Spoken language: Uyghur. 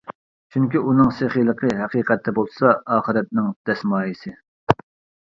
چۈنكى ئۇنىڭ سېخىيلىقى ھەقىقەتتە بولسا، ئاخىرەتنىڭ دەسمايىسى.